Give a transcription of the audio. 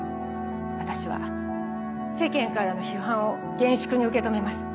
私は世間からの批判を厳粛に受け止めます。